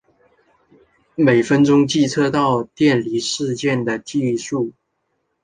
每分钟计数测到的电离事件的计数。